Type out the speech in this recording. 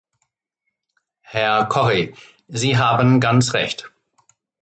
Herr Corrie, Sie haben ganz Recht.